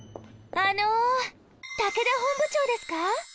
あの武田本部長ですか？